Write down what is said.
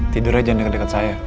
tidur aja jangan deket deket saya